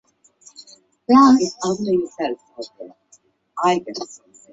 鲁昭公流亡到齐鲁之交的郓地和干侯。